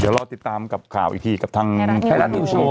เดี๋ยวรอติดตามกับข่าวอีกทีกับทางไทยรัฐนิวสโว